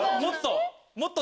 もっと！